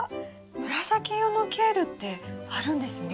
紫色のケールってあるんですね。